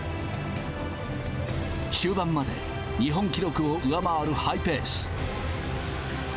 終盤まで日本記録を上回るハイペース。